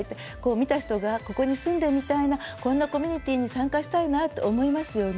見た人がここに住んでみたいなこんなコミュニティーに参加したいなと思いますよね。